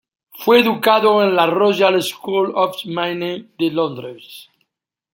Fue educado en la Royal School of Mines de Londres.